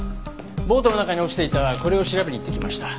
ボートの中に落ちていたこれを調べに行ってきました。